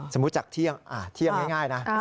สมมุติจากเที่ยงอ่าเที่ยงง่ายนะ